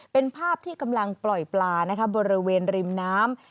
เป็นภาพที่กำลังปล่อยปลานะคะบริเวณริมน้ำ